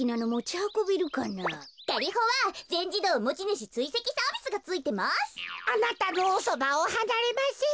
「あなたのおそばをはなれません」